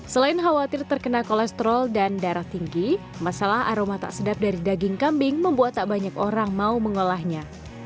selain khawatir terkena kolesterol dan darah tinggi masalah aroma tak sedap dari daging kambing membuat tak banyak orang mau mengolahnya